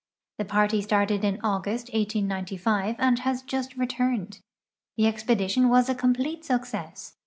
The party started in August, 1895, and has just returned. The expedi tion was a complete success.